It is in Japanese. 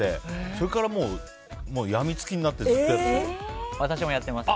それからもう、病みつきになってずっとやってます。